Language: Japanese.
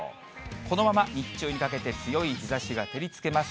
このまま日中にかけて強い日ざしが照りつけます。